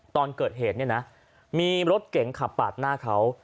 ตอนเกิดเหตุเนี่ยนะมีรถเก๋งขับปาดหน้าเขา